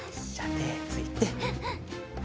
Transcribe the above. てついて。